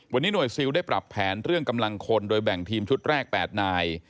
วันนี้หน่วยซิลได้ปรับแผนเรื่องกำลังคนโดยแบ่งทีมชุดแรก๘นาย